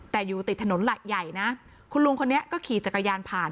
แต่อยู่ติดถนนหลักใหญ่นะคุณลุงคนนี้ก็ขี่จักรยานผ่าน